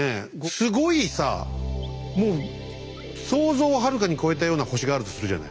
すごいさもう想像をはるかに超えたような星があるとするじゃない。